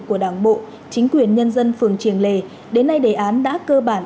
của đảng bộ chính quyền nhân dân phường triềng lề đến nay đề án đã cơ bản